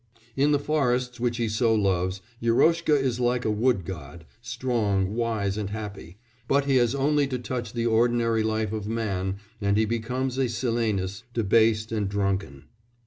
In the forests which he so loves Yeroshka is like a wood god strong, wise, and happy but he has only to touch the ordinary life of man and he becomes a Silenus, debased and drunken.